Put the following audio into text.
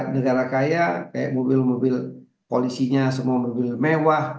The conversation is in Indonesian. negara kaya kayak mobil mobil polisinya semua mobil mewah